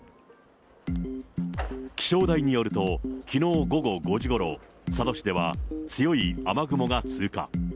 気象台によると、きのう午後５時ごろ、佐渡市では強い雨雲が通過。